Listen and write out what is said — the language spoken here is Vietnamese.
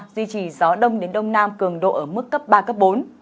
duy trì gió đông đến đông nam cường độ ở mức cấp ba cấp bốn